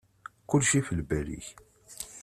Kulci ɣef lbal-ik.